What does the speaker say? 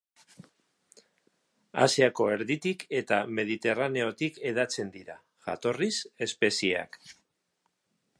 Asiako erditik eta Mediterraneotik hedatzen dira, jatorriz, espezieak.